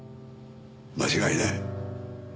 間違いない。